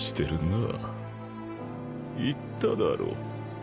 言っただろ。